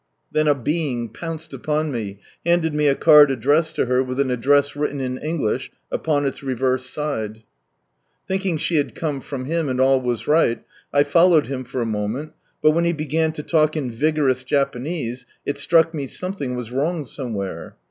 Then a being pounced upon me, handed me a card addressed to her, with an address written in English, upon its reverse side. From Shanghai to Matsuye 9 Thinking she had come from him, and all was right, 1 followed him for a moment, but when he began to talk in vigorous Japanese, it situck me something was wrong somewhere.